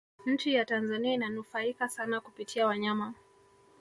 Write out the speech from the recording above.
nchi ya tanzania inanufaika sana kupitia wanyama